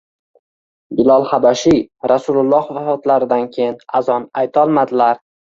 Bilol habashiy Rasululloh vafotlaridan keyin azon aytolmadilar